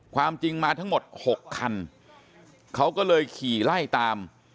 ความจริงมาทั้งหมด๖คันเขาก็เลยขี่ไล่ตาม